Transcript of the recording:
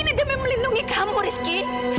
ini demi melindungi kamu rizky